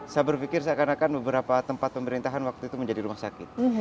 saya berpikir seakan akan beberapa tempat pemerintahan waktu itu menjadi rumah sakit